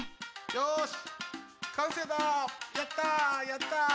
よし！